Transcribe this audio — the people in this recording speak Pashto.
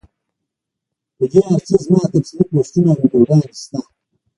پۀ دې هر څۀ زما تفصیلي پوسټونه او ويډيوګانې شته